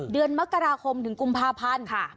เดือนมกราคมถึงกุมภาพันธ์